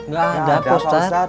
gak ada pak ustadz